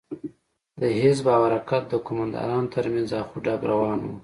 د حزب او حرکت د قومندانانو تر منځ اخ و ډب روان و.